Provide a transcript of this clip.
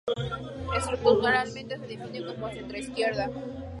Estructuralmente se define de centroizquierda.